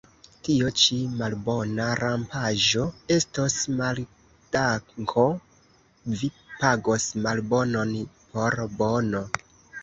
Tio ĉi, malbona rampaĵo, estos maldanko: vi pagos malbonon por bono.